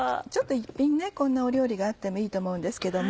一品こんな料理があってもいいと思うんですけども。